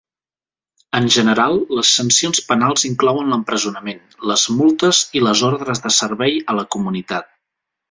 En general, les sancions penals inclouen l'empresonament, les multes i les ordres de servei a la comunitat.